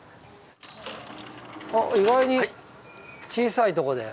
あっ意外に小さいとこで。